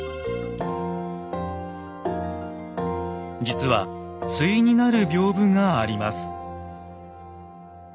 実は対になる屏風があります。